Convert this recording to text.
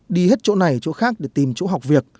đi hết chỗ này chỗ khác để tìm chỗ học việc